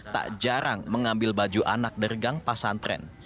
tak jarang mengambil baju anak dari gang pasantren